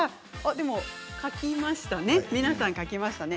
でも皆さん書きましたね。